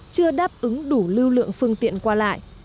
chưa đáp ứng đủ lưu lượng phương tiện qua lại